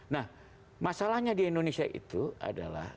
nah masalahnya di indonesia itu adalah